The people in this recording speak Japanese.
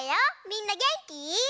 みんなげんき？